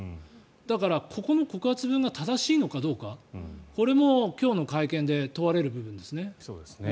だからここの告発文が正しいのかどうかこれも今日の会見で問われる部分ですね。